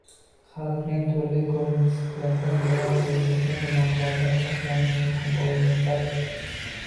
Qalbning turli ko'ngilsizliklardan yiroq bo‘lishida gunohlardan saqlanish muhim o‘rin tutadi.